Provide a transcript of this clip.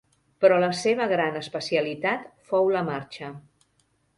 Però la seva gran especialitat fou la marxa.